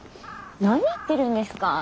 何言ってるんですか。